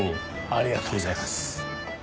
ありがとうございます。